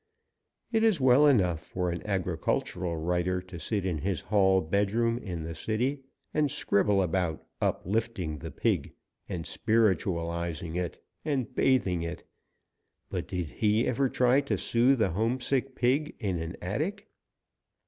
It is well enough for an agricultural writer to sit in his hall bedroom in the city and scribble about uplifting the pig, and spiritualizing it, and bathing it, but did he ever try to soothe a homesick pig in an attic?